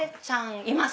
います